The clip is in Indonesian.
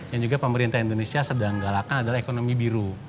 yang juga pemerintah indonesia sedang galakan adalah ekonomi biru